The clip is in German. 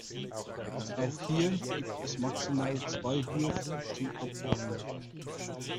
Auch hier gibt es maximal zwei Würfe zum "Abräumen".